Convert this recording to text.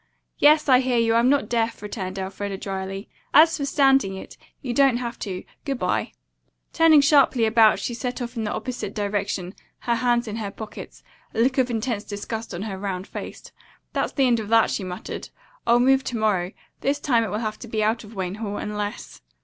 "Yes, I hear you. I'm not deaf," returned Elfreda dryly. "As for standing it, you don't have to. Good bye." Turning sharply about she set off in the opposite direction, her hands in her pockets, a look of intense disgust on her round face. "That's the end of that," she muttered. "I'll move to morrow. This time it will have to be out of Wayne Hall, unless